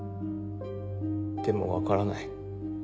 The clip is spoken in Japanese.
でも分からない。